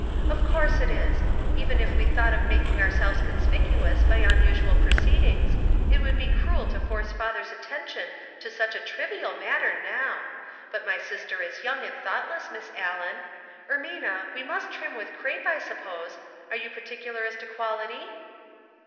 " Of course it is. Even if we thought of mak ing ourselves conspicuous by unusual proceedings it would be cruel to force father's attention to Buch a trivial matter now ; but my sister is young and thoughtless, Miss Allen. Ermina, we must trim with crape, I suppose. Are you particular as to quality